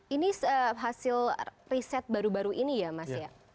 ini hasil riset baru baru ini ya mas ya